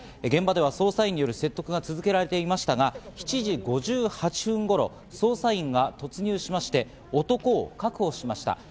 現場では捜査員による説得が続けられていましたが、７時５８分頃、捜査員が突入しまして男を確保しました。